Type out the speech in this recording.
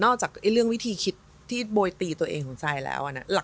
นอกจากเรื่องวิธีคิดที่โบยตีตัวเองของใส่แล้วอ่ะนะ